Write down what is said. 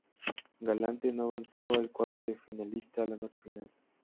Galante no avanzó al cuadro de finalistas la noche final.